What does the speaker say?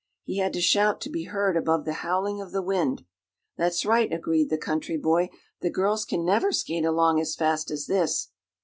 He had to shout to be heard above the howling of the wind. "That's right," agreed the country boy. "The girls can never skate along as fast as this."